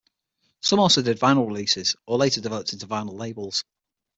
Some also did vinyl releases, or later developed into vinyl labels.